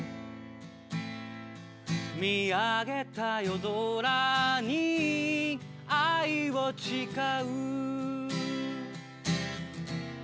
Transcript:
見上げた夜空に愛を誓う